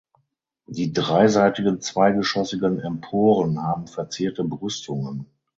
Die dreiseitigen zweigeschossigen Emporen haben verzierte Brüstungen.